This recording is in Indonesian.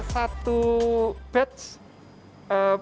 satu batch pengujian